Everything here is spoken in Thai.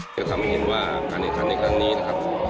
จะทำให้เห็นว่าการแข่งขันในครั้งนี้นะครับ